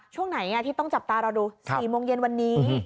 ช่วงไหนที่ต้องจับตารอดู๔โมงเย็นวันนี้